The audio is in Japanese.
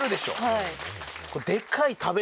はい。